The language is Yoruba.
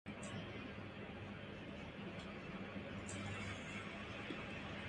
A máa ri bí àwọn ilé ìjọsìn ní ìpínlẹ̀ Èkó yóò ṣe máa jọ́sìn.